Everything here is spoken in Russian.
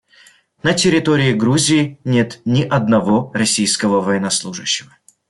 На территории Грузии нет ни одного российского военнослужащего.